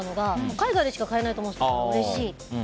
海外でしか買えないと思ってたからうれしい。